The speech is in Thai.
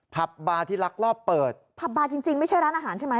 บาร์ที่ลักลอบเปิดผับบาร์จริงจริงไม่ใช่ร้านอาหารใช่ไหม